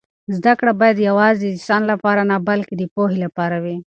زده کړه باید یوازې د سند لپاره نه بلکې د پوهې لپاره وي.